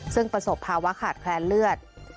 ซึ่งประสบภาวะขาดแคลนเลือด